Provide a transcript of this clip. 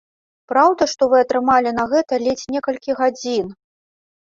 Праўда, што вы атрымалі на гэта ледзь некалькі гадзін?